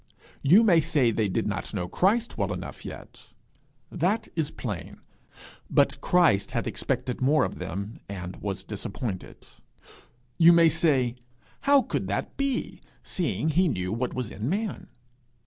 You may say they did not know Christ well enough yet. That is plain but Christ had expected more of them, and was disappointed. You may say, 'How could that be, seeing he knew what was in man?'